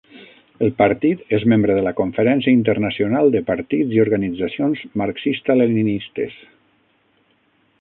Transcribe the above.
El partit és membre de la Conferència Internacional de Partits i Organitzacions Marxista-Leninistes.